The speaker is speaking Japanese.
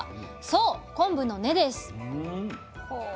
そう昆布の根です。